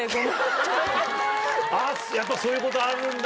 やっぱそういうことあるんだ！